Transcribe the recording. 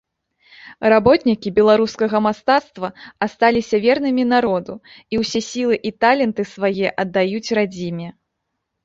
Работнікі беларускага мастацтва асталіся вернымі народу і ўсе сілы і таленты свае аддаюць радзіме.